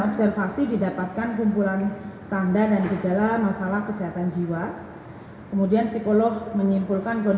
observasi didapatkan kumpulan tanda dan gejala masalah kesehatan jiwa kemudian psikolog menyimpulkan